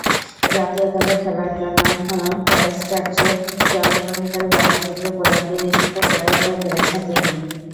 জাতীয় দলে খেলার জন্য ক্রাইস্টচার্চে জন্মগ্রহণকারী বাবার সূত্রে প্রতিনিধিত্ব করতে পেরেছেন তিনি।